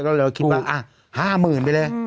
แล้วเราคิดว่าอ่ะห้ามื่นไปเลย